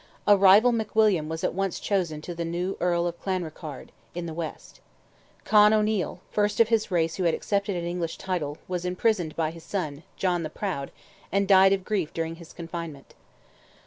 A rival McWilliam was at once chosen to the new Earl of Clanrickarde, in the West. Con O'Neil, the first of his race who had accepted an English title, was imprisoned by his son, John the Proud, and died of grief during his confinement.